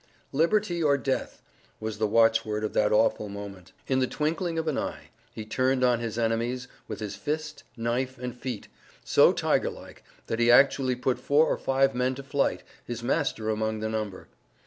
"Liberty or death" was the watchword of that awful moment. In the twinkling of an eye, he turned on his enemies, with his fist, knife, and feet, so tiger like, that he actually put four or five men to flight, his master among the number.